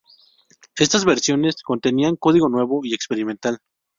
Estas versiones contenían código nuevo y experimental.